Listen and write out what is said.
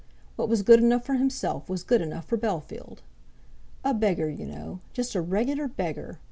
What was good enough for himself was good enough for Bellfield. "A beggar, you know; just a regular beggar!"